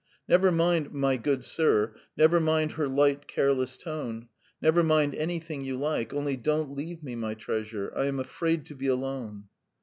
Never mind "My good sir," never mind her light careless tone, never mind anything you like, only don't leave me, my treasure. I am afraid to be alone.